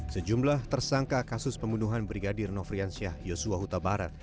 sejumlah tersangka kasus pembunuhan brigadir nofriansyah yosua huta barat